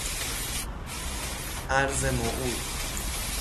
ارض موعود